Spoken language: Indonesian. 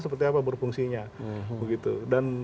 seperti apa berfungsinya begitu dan